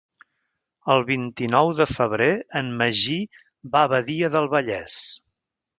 El vint-i-nou de febrer en Magí va a Badia del Vallès.